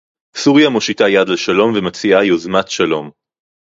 סוריה מושיטה יד לשלום ומציעה יוזמת שלום